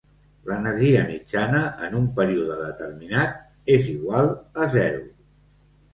L'energia mitjana en un període determinat és igual a zero.